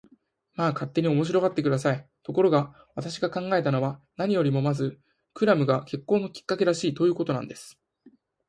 まあ、勝手に面白がって下さい。ところが、私が考えたのは、何よりもまずクラムが結婚のきっかけらしい、ということなんです。